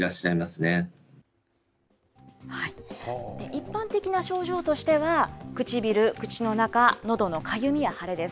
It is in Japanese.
一般的な症状としては、唇、口の中、のどのかゆみや腫れです。